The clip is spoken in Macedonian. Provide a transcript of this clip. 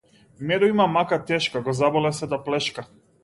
Медо има мака тешка го заболе сета плешка.